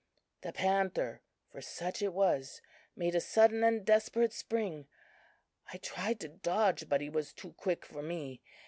"The panther (for such it was) made a sudden and desperate spring. I tried to dodge, but he was too quick for me.